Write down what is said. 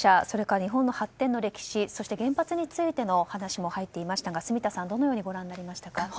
それから日本の発展の歴史そして原発についての話も入っていましたが住田さん、どのようにご覧になりましたか？